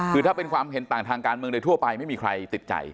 คือถ้าเป็นความเห็นต่างทางการเมืองโดยทั่วไปไม่มีใครติดใจ